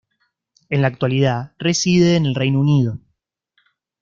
En la actualidad reside en el Reino Unido.